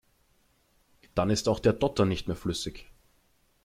Dann ist auch der Dotter nicht mehr flüssig.